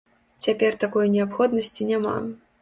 Цяпер такой неабходнасці няма.